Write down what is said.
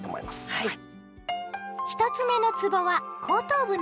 はい。